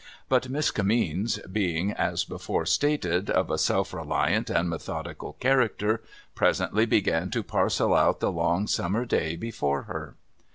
But, Miss Kinimeens being, as before stated, of a self reliant and methodical character, presently began to parcel out the long summer day before her.